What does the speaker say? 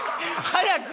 早く！